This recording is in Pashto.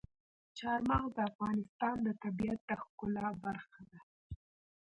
چار مغز د افغانستان د طبیعت د ښکلا برخه ده.